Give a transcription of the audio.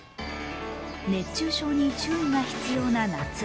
熱中症に注意が必要な夏。